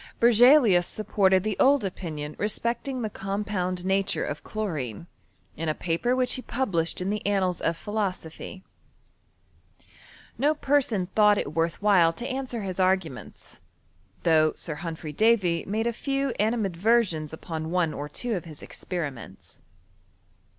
Berzelius supported the old opinion respecting the compound nature of chlorine, in a paper which he published in the Annals of Philosophy. No per son thought it worth while to answer his arguments, though Sir Humphry Davy made a few animad versions upon one or two of his experiments.